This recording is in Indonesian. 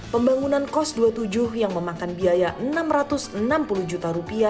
pembangunan kos dua puluh tujuh yang memakan biaya rp enam ratus enam puluh juta